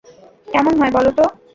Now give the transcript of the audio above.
কেমন হয় বলো তো?